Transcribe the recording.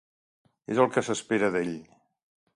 És el que s'espera d'ell.